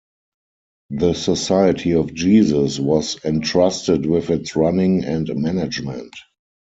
The Society of Jesus was entrusted with its running and management.